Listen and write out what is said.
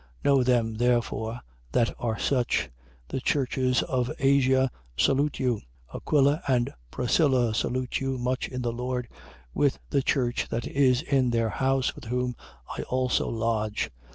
Know them, therefore, that are such. 16:19. The churches of Asia salute you. Aquila and Priscilla salute you much in the Lord, with the church that is in their house, with whom I also lodge.